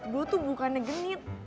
gue tuh bukannya genit